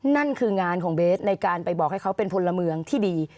นั่นคืองานของเบสในการไปบอกให้เขาเป็นพลเมืองที่ดี